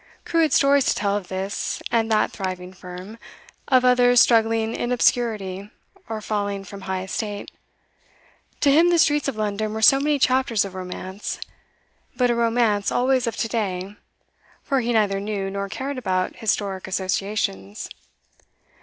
Crewe had stories to tell of this and that thriving firm, of others struggling in obscurity or falling from high estate; to him the streets of London were so many chapters of romance, but a romance always of to day, for he neither knew nor cared about historic associations.